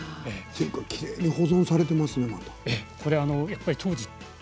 きれいに保存されていますね。